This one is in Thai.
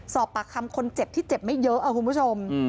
สอบปากคำคนเจ็บที่เจ็บไม่เยอะคุณผู้ชม